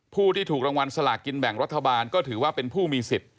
ผู้ที่ถูกรางวัลสลากินแบ่งรัฐบาลก็ถือว่าเป็นผู้มีสิทธิ์